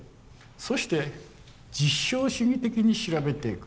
そして実証主義的に調べていく。